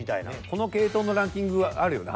この系統のランキングはあるよね